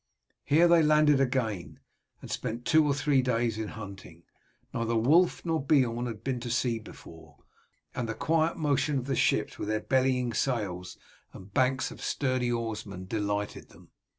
Here they landed again, and spent two or three days in hunting. Neither Wulf nor Beorn had been to sea before, and the quiet motion of the ships with their bellying sails and banks of sturdy oarsmen delighted them.